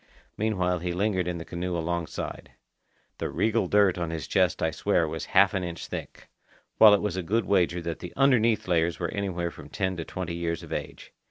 Meanwhile he lingered in the canoe alongside. The regal dirt on his chest I swear was half an inch thick, while it was a good wager that the underneath layers were anywhere from ten to twenty years of age.